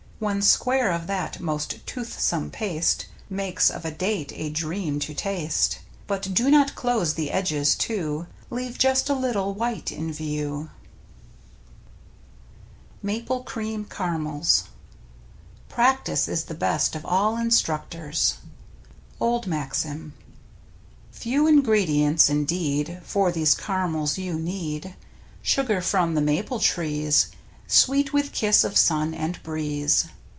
One square of that most toothsome paste Makes of a date a dream to taste ; But do not close the edges to. Leave just a little white in view. t^ ^^ Mi 5/ mtiffmtti JSitttiptu \r! MAPLE CREAM CARAMELS Practice is the best of all instructors. — Old Maxim. Few ingredients, indeed, For these caramels you need. Sugar from the maple trees, Sweet with kiss of sun and breeze.